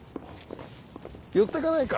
寄ってかないか？